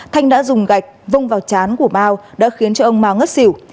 thanh đã dùng gạch vông vào chán của mau đã khiến ông mau ngất xỉu